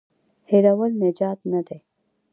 هېرول نجات نه دی.